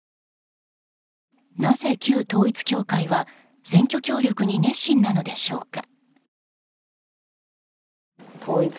なぜ、旧統一教会は選挙協力に熱心なのでしょうか？